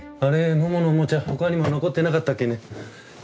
モモのおもちゃ他にも残ってなかったっけね。